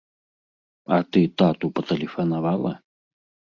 А ты тату патэлефанавала?